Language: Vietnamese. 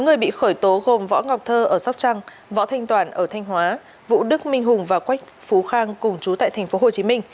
bốn người bị khởi tố gồm võ ngọc thơ ở sóc trăng võ thanh toàn ở thanh hóa vũ đức minh hùng và quách phú khang cùng trú tại tp hcm